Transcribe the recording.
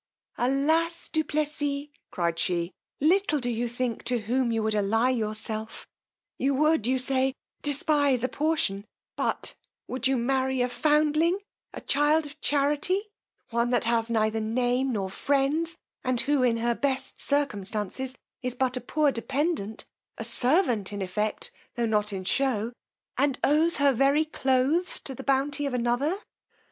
Alas! du Plessis, cried she, little do you think to whom you would ally yourself: you would, you say, despise a portion, but would you marry a foundling, a child of charity, one that has neither name nor friends, and who, in her best circumstances, is but a poor dependant, a servant in effect, tho' not in shew, and owes her very cloaths to the bounty of another?